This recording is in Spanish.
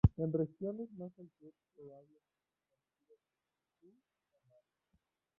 En regiones más al sur, probablemente es conocido como Dhu-Samani.